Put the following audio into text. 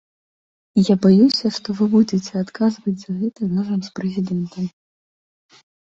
Я баюся, што вы будзеце адказваць за гэта разам з прэзідэнтам.